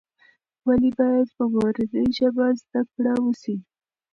ولې باید په مورنۍ ژبه زده کړه وسي؟